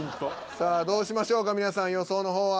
さあどうしましょうか皆さん予想の方は。